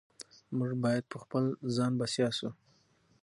موږ باید په خپل ځان بسیا شو.